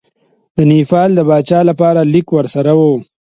د نیپال د پاچا لپاره لیک ورسره وو.